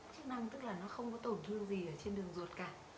chức năng tức là nó không có tổn thương gì ở trên đường ruột cả